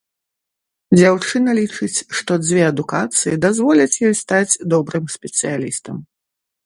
Дзяўчына лічыць, што дзве адукацыі дазволяць ёй стаць добрым спецыялістам.